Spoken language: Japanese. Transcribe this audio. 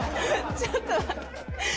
ちょっと。